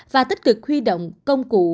và tích cực huy động công cụ